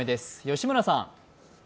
吉村さん。